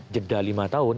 jeda lima tahun